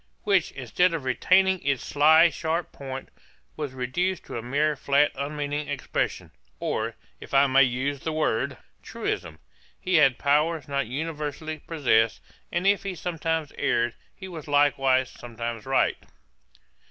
Which, instead of retaining its sly sharp point, was reduced to a mere flat unmeaning expression, or, if I may use the word, truism: 'He had powers not universally possessed: and if he sometimes erred, he was likewise sometimes right.'